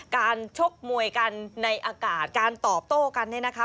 การชกมวยกันในอากาศการตอบโต้กันนะครับ